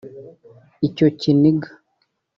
Icyo kiniga